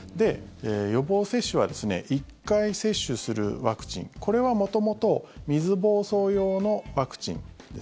予防接種は１回接種するワクチンこれは元々、水疱瘡用のワクチンです。